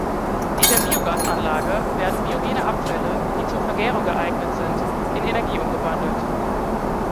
In der Biogasanlage werden biogene Abfälle, die zur Vergärung geeignet sind, in Energie umgewandelt.